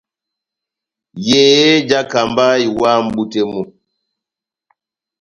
Yehé jáhákamba iwa mʼbú tɛ́h mú.